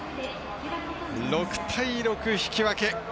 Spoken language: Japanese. ６対６、引き分け。